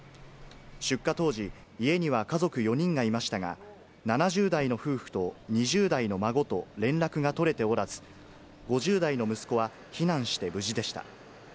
出火当時、家には家族４人がいましたが、７０代の夫婦と２０代の孫と連絡が取れておらず、５０代の息子は避難して無事でした。